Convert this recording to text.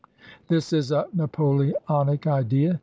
This is a Napoleonic idea.